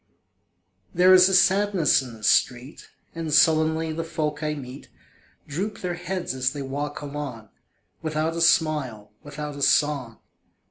There is a sadness in the street, And sullenly the folk I meet Droop their heads as they walk along, Without a smile, without a song.